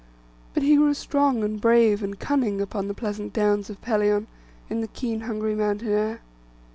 But he grew strong, and brave and cunning, upon the pleasant downs of Pelion, in the keen hungry mountain air.